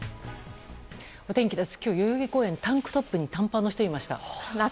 お天気です。